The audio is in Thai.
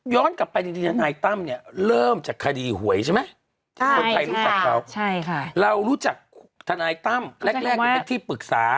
ใช่ไหมคนไทยรู้จักเขาเรารู้จักทนายตั้มแรกไปที่ปรึกษา